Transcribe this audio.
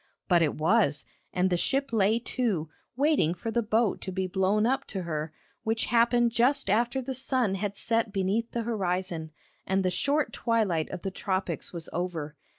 But it was, and the ship lay to, waiting for the boat to be blown up to her, which happened just after the sun had set beneath the horizon, and the short twilight of the tropics was over.